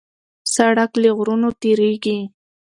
سړک له غرونو تېرېږي.